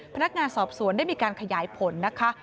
พนักงานสอบสวนได้มีการขยายผลนะคะ